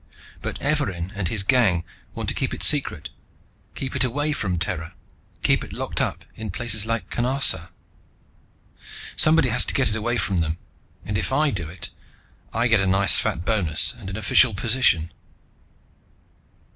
But Evarin and his gang want to keep it secret, keep it away from Terra, keep it locked up in places like Canarsa! Somebody has to get it away from them. And if I do it, I get a nice fat bonus, and an official position."